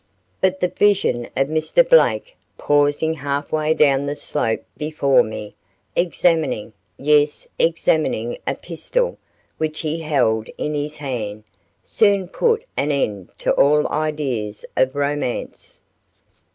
But the vision of Mr. Blake pausing half way down the slope before me, examining, yes examining a pistol which he held in his hand, soon put an end to all ideas of romance.